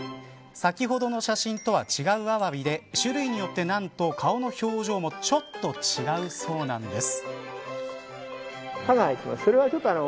先ほどの写真とは違うアワビで種類によって何と顔の表情もちょっと違うそうなんです。